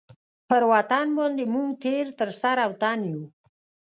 پر وطن باندي موږ تېر تر سر او تن یو.